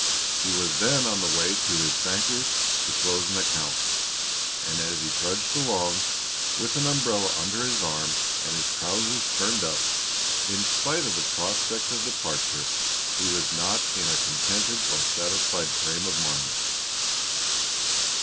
He was then on the way to his banker's to close an account, and as he trudged along, with an umbrella under his arm and his trousers turned up, in spite of the prospect of departure he was not in a contented or satisfied frame of mind.